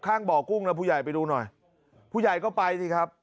ข้างบ่อกุ้งนะผู้ใหญ่ไปดูหน่อยผู้ใหญ่ก็ไปสิครับ